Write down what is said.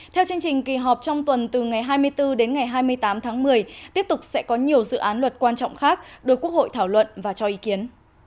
theo chương trình kỳ họp trong tuần từ ngày hai mươi bốn đến ngày hai mươi tám tháng một mươi tiếp tục sẽ có nhiều dự án luật quan trọng khác được quốc hội thảo luận và cho ý kiến